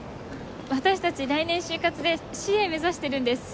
私たち来年就活でＣＡ目指してるんです。